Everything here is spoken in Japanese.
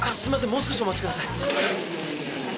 もう少しお待ちください。